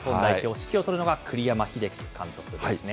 指揮を執るのが栗山英樹監督ですね。